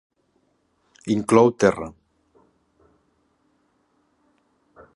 Inclou terra.